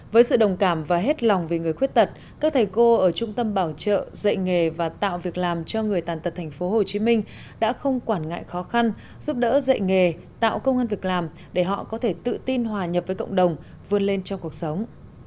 với sự đồng cảm và hết lòng vì người khuyết tật các thầy cô ở trung tâm bảo trợ dạy nghề và tạo việc làm cho người tàn tật tp hcm đã không quản ngại khó khăn giúp đỡ dạy nghề tạo công an việc làm để họ có thể tự tin hòa nhập với cộng đồng vươn lên trong cuộc sống